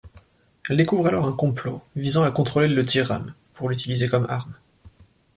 Elle découvre, alors, un complot visant à contrôler le Zeiram pour l'utiliser comme arme.